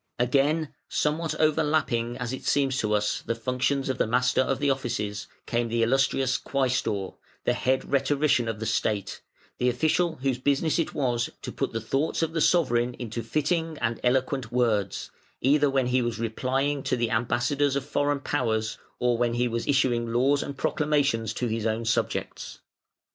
Again, somewhat overlapping, as it seems to us, the functions of the Master of the Offices, came the "Illustrious" Quæstor, the head rhetorician of the State, the official whose business it was to put the thoughts of the sovereign into fitting and eloquent words, either when he was replying to the ambassadors of foreign powers, or when he was issuing laws and proclamations to his own subjects.